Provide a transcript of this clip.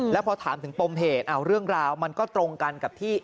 แล้วพอถามถึงปมเหตุเรื่องราวมันก็ตรงกันกับที่